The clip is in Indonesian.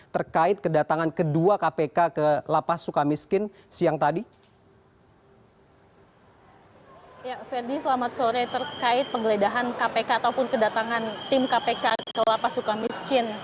terkait penggeledahan kpk ataupun kedatangan tim kpk kelapa suka miskin